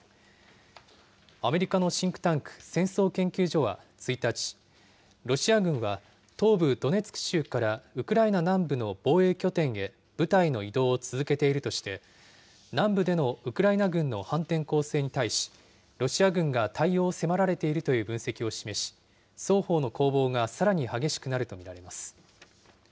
アメリカのシンクタンク、戦争研究所は１日、ロシア軍は東部ドネツク州からウクライナ南部の防衛拠点へ部隊の移動を続けているとして、南部でのウクライナ軍の反転攻勢に対し、ロシア軍が対応を迫られているという分析を示し、双方の攻防がさらに激しくなると見られます。